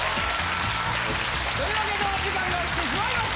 というわけでお時間がきてしまいました！